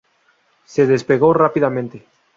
Se despegó rápidamente.